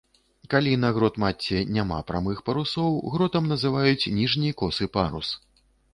Калі на грот-мачце няма прамых парусоў, гротам называюць ніжні косы парус.